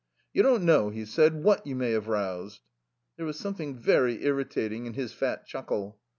"You don't know," he said, "what you may have roused." There was something very irritating in his fat chuckle.